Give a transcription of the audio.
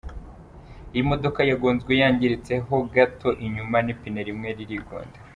Iyi modoka yagonzwe yangiritse ho gato inyuma, n’ipine rimwe ririgonda.